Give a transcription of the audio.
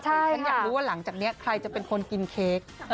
ฉันอยากรู้ว่าหลังจากนี้ใครจะเป็นคนกินเค้ก